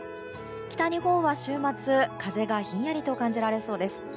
北日本は週末、風がひんやりと感じられそうです。